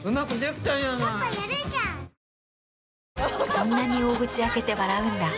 そんなに大口開けて笑うんだ。